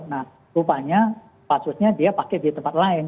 nah rupanya data dasarnya dia pakai di tempat lain